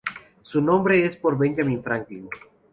Su nombre es por Benjamin Franklin.